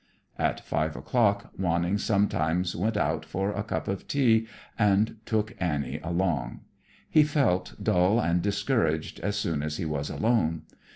At five o'clock Wanning sometimes went out for a cup of tea and took Annie along. He felt dull and discouraged as soon as he was alone.